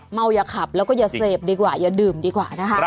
อย่าขับแล้วก็อย่าเสพดีกว่าอย่าดื่มดีกว่านะคะ